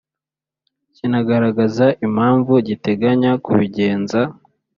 kinagaragaza impamvu giteganya kubigenza